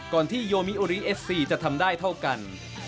ที่โยมิโอริเอฟซีจะทำได้เท่ากัน